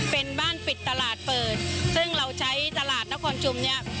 เป็นบ้านปิดตลาดเปิดซึ่งเราใช้ตลาดนครชุมเนี่ย